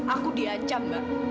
aku diacam mbak